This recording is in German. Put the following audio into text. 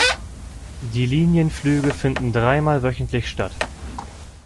Die Linienflüge finden dreimal wöchentlich statt.